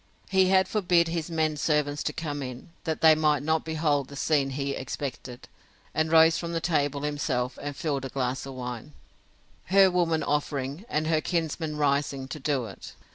He had forbid his men servants to come in, that they might not behold the scene he expected; and rose from table himself, and filled a glass of wine, her woman offering, and her kinsman rising, to do it.